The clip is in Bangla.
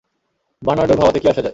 বার্নার্ডোর ভাবাতে কী আসে যায়?